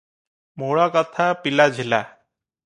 ମୂଳକଥା ପିଲାଝିଲା ।